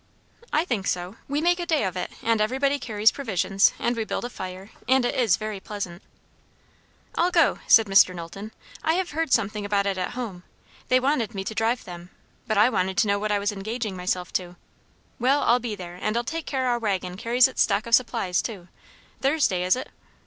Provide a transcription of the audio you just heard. "I think so. We make a day of it; and everybody carries provisions; and we build a fire, and it is very pleasant." "I'll go," said Mr. Knowlton. "I have heard something about it at home. They wanted me to drive them, but I wanted to know what I was engaging myself to. Well, I'll be there, and I'll take care our waggon carries its stock of supplies too. Thursday, is it?"